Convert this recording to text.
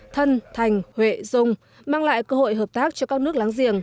thân thành huệ dung mang lại cơ hội hợp tác cho các nước láng giềng